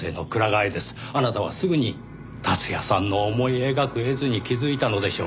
あなたはすぐに達也さんの思い描く絵図に気づいたのでしょう。